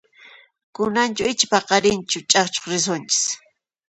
Kunanchu icha paqarinchu chakchuq risunchis?